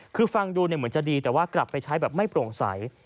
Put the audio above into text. คือฟังดูเหมือนจะดีแต่ว่ากลับไปใช้แบบไม่โปร่งใส